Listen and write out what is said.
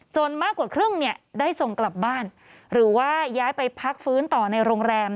มากกว่าครึ่งเนี่ยได้ส่งกลับบ้านหรือว่าย้ายไปพักฟื้นต่อในโรงแรม